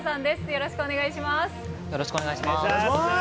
よろしくお願いします。